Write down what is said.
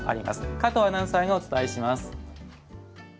加藤アナウンサーがお伝えします。